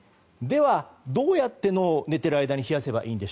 では、どうやって脳を寝ている間に冷やせばいいのか。